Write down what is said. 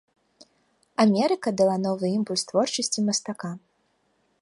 Амерыка дала новы імпульс творчасці мастака.